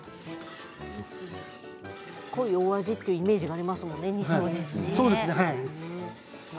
濃いお味というイメージがありますものね。